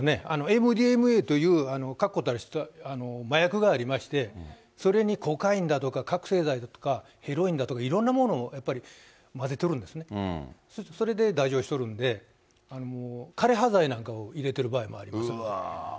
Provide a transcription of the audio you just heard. ＭＤＭＡという確固たる麻薬がありまして、それにコカインだとか、覚醒剤だとか、ヘロインだとか、いろんなものを混ぜてるんですね、そうすると、それでしてるんで、枯れ葉剤なんかを入れてる場合もうわー。